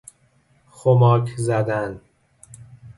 خماک زدن